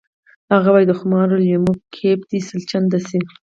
هغه وایی د خمارو لیمو کیف دې سل چنده شي